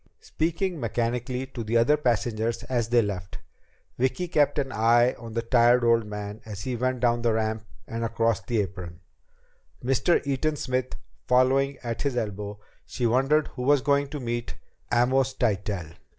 Speaking mechanically to the other passengers as they left, Vicki kept an eye on the tired old man as he went down the ramp and across the apron, Mr. Eaton Smith following at his elbow. She wondered who was going to meet Amos Tytell.